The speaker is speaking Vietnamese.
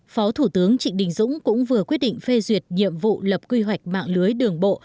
phó thủ tướng trịnh đình dũng cũng vừa quyết định phê duyệt nhiệm vụ lập quy hoạch mạng lưới đường bộ